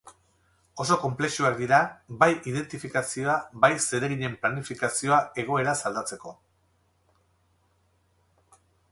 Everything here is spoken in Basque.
Oso konplexuak dira bai identifikazioa bai zereginen planifikazioa egoeraz aldatzeko.